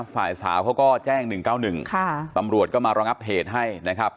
ฝ่ายสาวเขาก็แจ้งหนึ่งเก้าหนึ่งค่ะตำรวจก็มารองับเหตุให้นะครับ